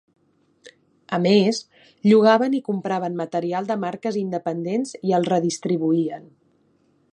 A més, llogaven i compraven material de marques independents i el redistribuïen.